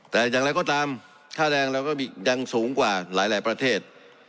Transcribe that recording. แต่อย่างไรก็ตามค่าแรงเราก็ยังสูงกว่าหลายประเทศ